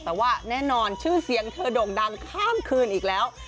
แต่ว่าแน่นอนชื่อเสียงเธอโด่งดังข้ามคืนอีกแล้ว